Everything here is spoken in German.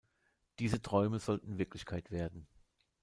Diese Träume sollten Wirklichkeit werden.